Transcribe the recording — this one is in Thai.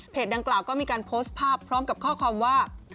ดังกล่าวก็มีการโพสต์ภาพพร้อมกับข้อความว่า